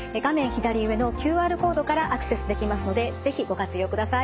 左上のＱＲコードからアクセスできますので是非ご活用ください。